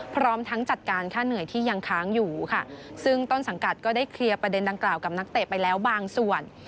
พร้อมทั้งจัดการค่าเหนื่อยที่ยังค้างอยู่ค่ะซึ่งต้นสังกัดก็ได้เคลียร์ประเด็นดังกล่าวกับนักเตะไปแล้วบางส่วน